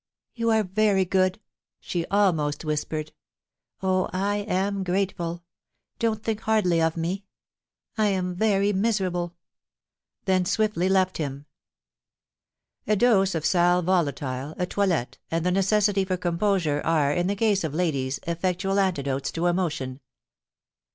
* You are very good,' she almost whispered. * Oh ! I am grateful. Don't think hardly of me ; I am very miserable,' then swiftly left him. A dose of sal volatile, a toilette, and the necessity for composure, are, in the case of ladies, effectual antidotes to emotion.